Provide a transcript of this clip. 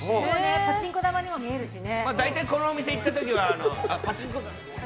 パチンコ玉にも見えるしね。